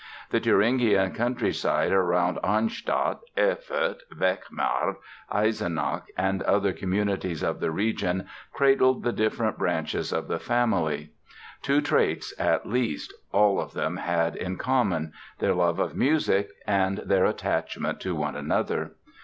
The Thuringian countryside around Arnstadt, Erfurt, Wechmar, Eisenach, and other communities of the region cradled the different branches of the family. Two traits, at least, all of them had in common—their love of music and their attachment to one another.